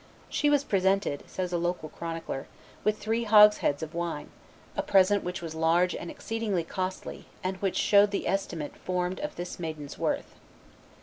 "She was presented," says a local chronicler, with three hogsheads of wine, a present which was large and exceeding costly, and which showed the estimate formed of this maiden's worth."